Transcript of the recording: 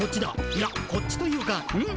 いやこっちというかうん？